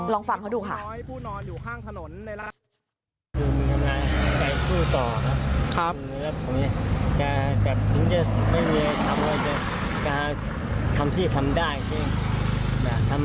ลองฟังเขาดูค่ะ